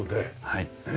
はい。